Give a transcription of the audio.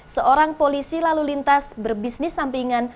seorang polisi lalu lintas berbisnis sampingan